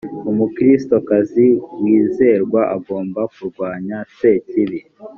umukristokazi wizerwa agomba kurwanya sekibi